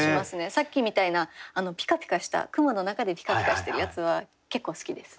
さっきみたいなピカピカした雲の中でピカピカしてるやつは結構好きです。